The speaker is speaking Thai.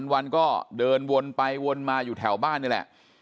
วันก็เดินวนไปวนมาอยู่แถวบ้านนี่แหละ